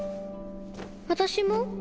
私も？